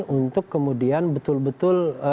untuk kemudian betul betul